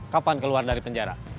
kapan keluar dari penjara